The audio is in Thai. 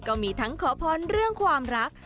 ก็มีทั้งขอพรเรื่องความรัก